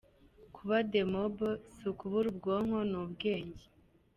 Kuba demob si ukubura ubwonko n’ubwenge!